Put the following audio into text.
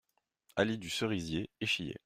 Allée du Cerisier, Échillais